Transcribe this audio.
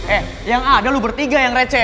eh yang a dah lu bertiga yang receh